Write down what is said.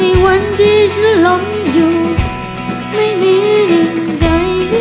สวัสดีครับ